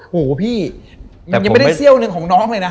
โหพี่มันยังไม่ได้เซี่ยวหนึ่งของน้องเลยนะ